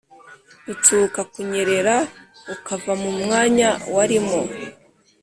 gutsuka: kunyerera ukava mu mwanya warimo.